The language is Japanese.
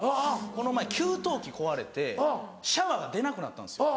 この前給湯器壊れてシャワーが出なくなったんですよ。